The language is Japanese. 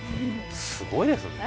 すごいですよね。